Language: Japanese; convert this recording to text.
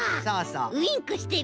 ウインクしてる。